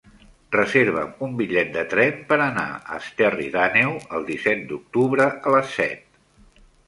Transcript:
Reserva'm un bitllet de tren per anar a Esterri d'Àneu el disset d'octubre a les set.